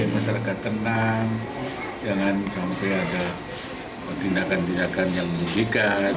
masyarakat tenang jangan sampai ada tindakan tindakan yang merugikan